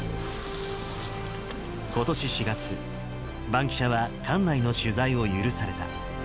ことし４月、バンキシャは艦内の取材を許された。